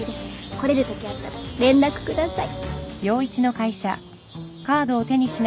来れるときあったら連絡下さい